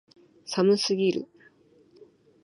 寒すぎる